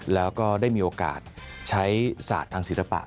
แล้วก็ได้มีโอกาสใช้ศาสตร์ทางศิลปะ